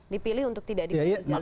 dipilih untuk tidak digunakan